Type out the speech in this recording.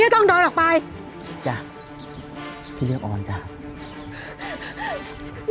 พี่จอมไปไปไปไปพี่เลือกออนนะออนจ๋าออนของพี่